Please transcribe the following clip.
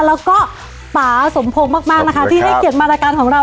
และป่าสมโพงที่ให้เกียรติมารการของเรา